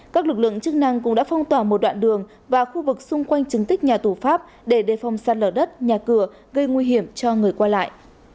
các lực lượng chức năng cũng đã phong tỏa một đoạn đường và khu vực xung quanh chứng tích nhà tù pháp để đề phòng sạt lở đất nhà cửa gây nguy hiểm cho người qua lại